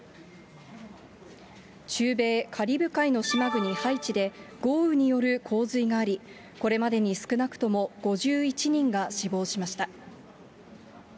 中米カリブ海の島国、ハイチで、豪雨による洪水があり、これまでに少なくとも５１人が死亡しました。